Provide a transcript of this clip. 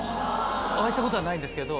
お会いしたことはないんですけど。